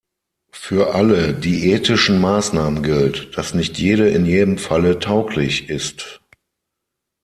Für alle diätetischen Maßnahmen gilt, dass nicht jede in jedem Falle tauglich ist.